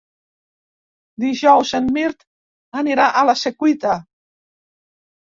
Dijous en Mirt anirà a la Secuita.